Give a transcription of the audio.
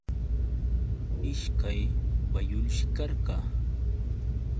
Ishkay bayulshi karqa.